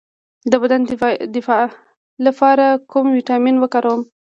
د بدن د دفاع لپاره کوم ویټامین وکاروم؟